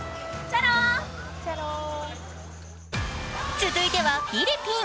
続いてはフィリピン。